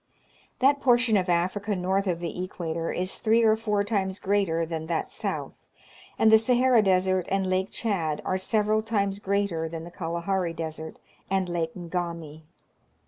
That portion of Africa north of the equator is three or four times greater than that south, and the Sahara Desert and Lake Chad are several times greater than the Kalahari Desert and Lak§ Ngami.